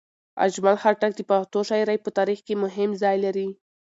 اجمل خټک د پښتو شاعرۍ په تاریخ کې مهم ځای لري.